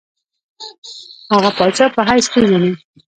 هغه پاچا په حیث پېژني.